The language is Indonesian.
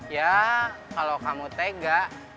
ya kalau kamu tega